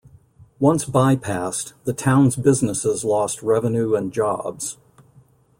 Once bypassed, the town's businesses lost revenue and jobs.